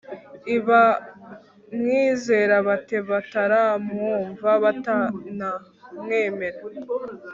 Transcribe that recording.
i bamwizera bate bataramwumva batanamwemera